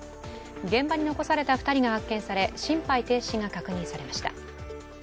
現場に残された２人が発見され心肺停止が確認されました。